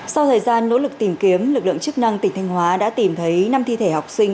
sau thời gian nỗ lực tìm kiếm lực lượng chức năng tp biên hòa đã tìm thấy năm thi thể học sinh